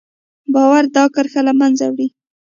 باور دا کرښه له منځه وړي.